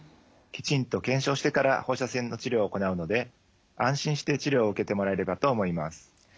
きちんと検証してから放射線の治療を行うので安心して治療を受けてもらえればと思います。